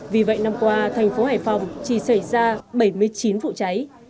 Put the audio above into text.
vì vậy năm qua tp hải phòng chỉ xảy ra bảy mươi chín vụ cháy